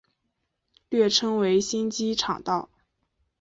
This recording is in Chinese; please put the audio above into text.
略称为新机场道。